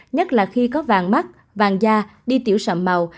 nhất là khi có vàng mắt vàng da đi tiểu sạm màu